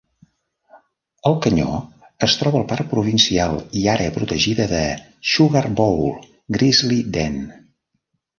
El canyó es troba al parc provincial i àrea protegida de Sugarbowl-Grizzly Den.